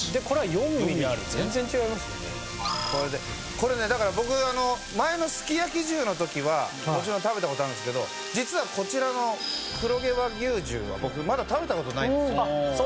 これねだから僕前のすき焼き重の時はもちろん食べた事あるんですけど実はこちらの黒毛和牛重は僕まだ食べた事ないんです。